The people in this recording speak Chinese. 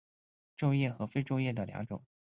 皱叶和非皱叶的两种。